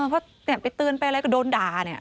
เพราะอยากไปตื่นไปอะไรก็โดนดา